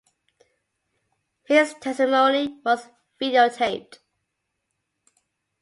His testimony was videotaped.